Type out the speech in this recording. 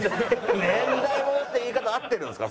年代物って言い方合ってるんですか？